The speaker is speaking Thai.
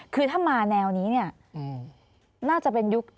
คือถ้ามาแนวนี้น่าจะเป็นยุค